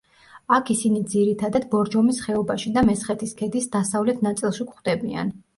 აქ ისინი ძირითადად ბორჯომის ხეობაში და მესხეთის ქედის დასავლეთ ნაწილში გვხვდებიან.